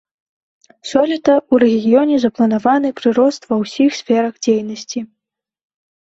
Сёлета ў рэгіёне запланаваны прырост ва ўсіх сферах дзейнасці.